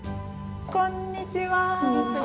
こんにちは。